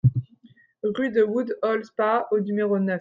Rue de Woodhall-Spa au numéro neuf